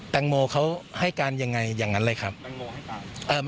ท้ายเรือจริงไหม